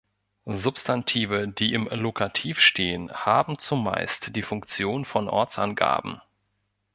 Substantive, die im Lokativ stehen, haben zumeist die Funktion von Ortsangaben.